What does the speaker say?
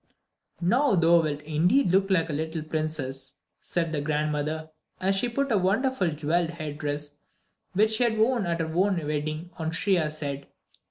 "Now thou wilt indeed look like a little princess," said the grandmother, as she put a wonderful jewelled head dress which she had worn at her own wedding on Shriya's head.